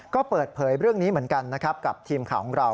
ก็เปิดเผยเรื่องนี้เหมือนกันนะครับกับทีมข่าวของเรา